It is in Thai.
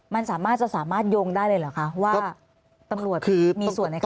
มันจะสามารถโยงได้เลยรึคะว่าตำรวจมีส่วนในคดี